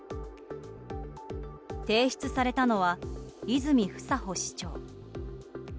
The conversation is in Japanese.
提出されたのは、泉房穂市長。